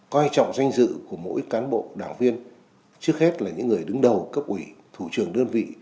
coi trọng danh dự của mỗi cán bộ đảng viên trước hết là những người đứng đầu cấp ủy thủ trưởng đơn vị